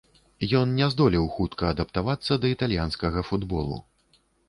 Ён не здолеў хутка адаптавацца да італьянскага футболу.